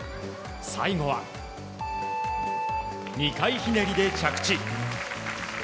最後は２回ひねりで着地。